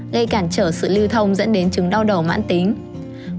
gây cản trở sự lưu thông dẫn đến chứng đau đầu mãn tính